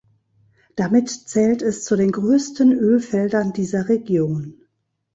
Damit zählt es zu den größten Ölfeldern dieser Region.